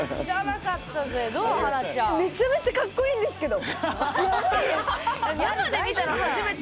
めちゃめちゃかっこいいんですけど。